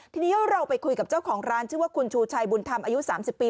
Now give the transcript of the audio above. ทีนี้เราไปคุยกับเจ้าของร้านชื่อว่าคุณชูชัยบุญธรรมอายุ๓๐ปี